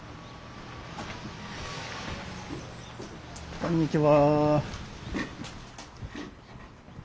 こんにちは。